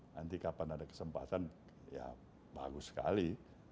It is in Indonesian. nanti kapan ada kesempatan ya bagus sekali